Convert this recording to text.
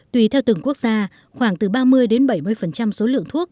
tùy theo từng quốc gia khoảng từ ba mươi bảy mươi số lượng thuốc